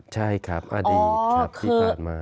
ใช่ครับอดีตครับที่ผ่านมา